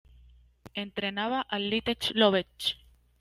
Entrenaba al Litex Lovech.